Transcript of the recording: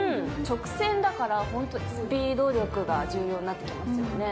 直線だからホントスピード力が重要になってきますよね。